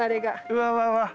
うわうわうわ。